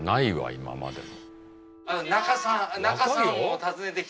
今までも。